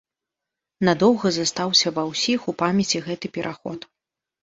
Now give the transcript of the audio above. Надоўга застаўся ва ўсіх у памяці гэты пераход.